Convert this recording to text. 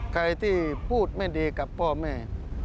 ใครที่พูดไม่ดีกับพ่อแม่